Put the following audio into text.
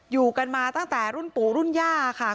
อยู่กันมาตั้งแต่รุ่นปู่รุ่นย่าค่ะ